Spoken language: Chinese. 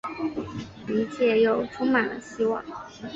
一切又充满了希望